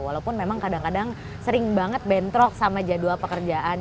walaupun memang kadang kadang sering banget bentrok sama jadwal pekerjaan